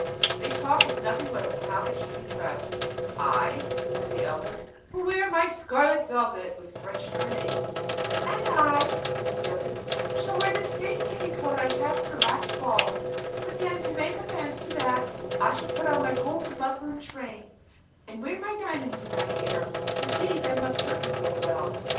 They talked of nothing but how they should be dressed: "I," said the eldest, "will wear my scarlet velvet with French trimming." "And I," said the youngest, "shall wear the same petticoat I had made for the last ball. But then, to make amends for that, I shall put on my gold muslin train, and wear my diamonds in my hair; with these I must certainly look well."